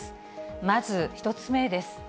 まず１つ目です。